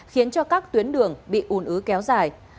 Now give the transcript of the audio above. khiến cho các tuyến đường bị ùn ứ kéo dài